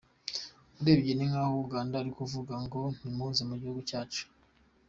Urebye ni nk’aho Uganda iri kuvuga ngo ntimuze mu gihugu cyacu.”